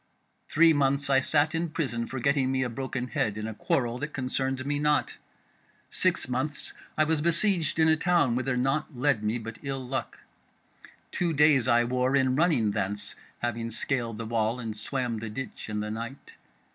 Three months I sat in prison for getting me a broken head in a quarrel that concerned me not. Six months was I besieged in a town whither naught led me but ill luck. Two days I wore in running thence, having scaled the wall and swam the ditch in the night.